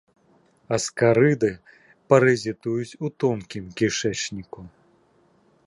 Аскарыды паразітуюць у тонкім кішэчніку.